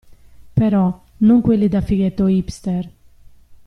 Però, non quelli da fighetto hipster.